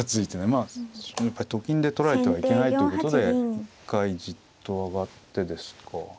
まあと金で取られてはいけないということで一回じっと上がってですか。